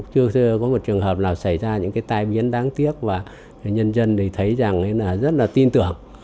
chưa có một trường hợp nào xảy ra những tai biến đáng tiếc và nhân dân thấy rất là tin tưởng